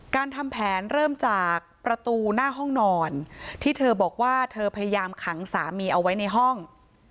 การทำแผนเริ่มจากประตูหน้าห้องนอนที่เธอบอกว่าเธอพยายามขังสามีเอาไว้ในห้อง